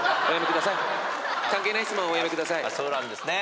そうなんですね。